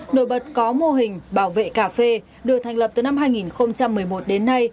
nổi bật có mô hình bảo vệ cà phê được thành lập từ năm hai nghìn một mươi một đến nay